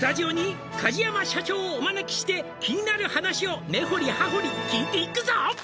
「梶山社長をお招きして」「気になる話を根掘り葉掘り聞いていくぞ」